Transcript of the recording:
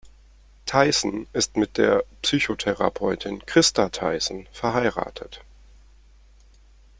Theißen ist mit der Psychotherapeutin Christa Theißen verheiratet.